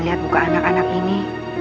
lihat buka anak anak ini